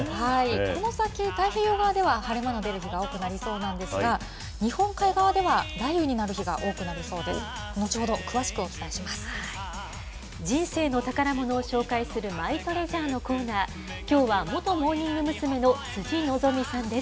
この先、太平洋側では晴れ間の出る日が多くなりそうなんですが、日本海側では雷雨になる日が多くなりそうなんです。